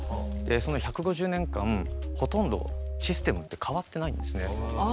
その１５０年間、ほとんどシステムって変わってないんです。